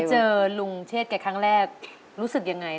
ไปเจอลุงเชศ์แกครั้งแรกรู้สึกอย่างไร